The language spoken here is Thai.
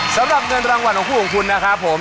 สำหรับเงินรางวัลของคู่ของคุณนะครับผม